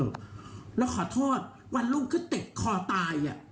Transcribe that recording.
กินเถอะแล้วขอโทษวันรุ่นคือเต็กคอตายอ่ะ